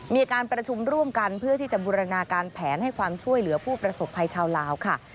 มีการประชุมร่วมกันเพื่อที่จะบูรณาการแผนให้ความช่วยเหลือผู้ประสบภัยชาวลาวค่ะ